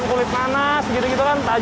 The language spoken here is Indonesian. kemudian sampah organik diletakkan di atas larva